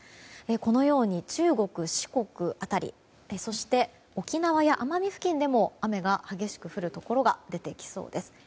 このように中国・四国辺りそして沖縄や奄美付近でも雨が激しく降るところが出てきそうです。